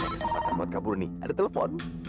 ada kesempatan buat kabur nih ada telepon